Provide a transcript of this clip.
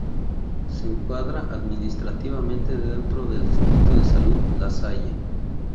Se encuadra administrativamente dentro del distrito de Salud-La Salle.